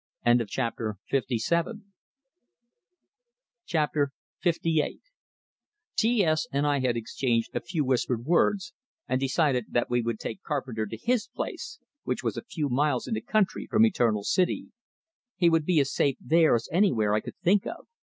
LVIII T S and I had exchanged a few whispered words, and decided that we would take Carpenter to his place, which was a few miles in the country from Eternal City. He would be as safe there as anywhere I could think of.